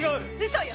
嘘よ！